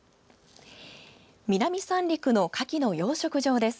南三陸のかきの養殖場です。